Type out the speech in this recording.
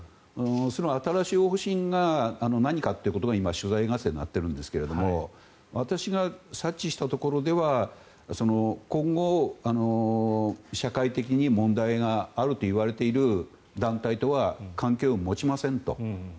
その新しい方針が何かということが今、取材合戦になっているんですが私が察知したところでは今後、社会的に問題があるといわれている団体とは関係を持ちませんと。